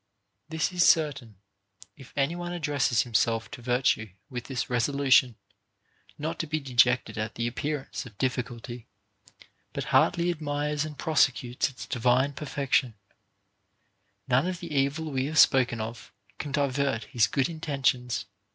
This is certain, if any one addresses himself to virtue with this resolution, not to be dejected at the appearance of difficulty, but heartily admires and prosecutes its divine perfection, none of the evil we have spoken of can divert his good intentions.